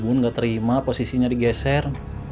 bu bun nggak terima posisinya digeser